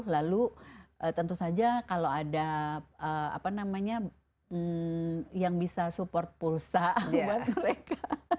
sepuluh lalu tentu saja kalau ada yang bisa support pulsa buat mereka